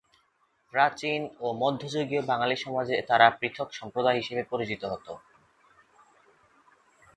প্রাচীন ও মধ্যযুগীয় বাঙালী সমাজে তারা পৃথক সম্প্রদায় হিসাবে পরিচিত হত।